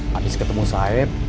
habis ketemu sayap